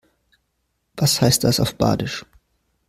Was heißt das auf Badisch?